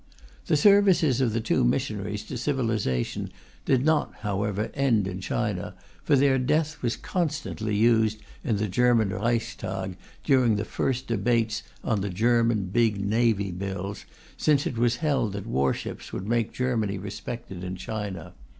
The services of the two missionaries to civilization did not, however, end in China, for their death was constantly used in the German Reichstag during the first debates on the German Big Navy Bills, since it was held that warships would make Germany respected in China.